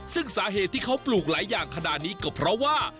ซึ่งสาเหตุที่เขาปลูกหลายอย่างขนาดนี้ก็เพราะว่า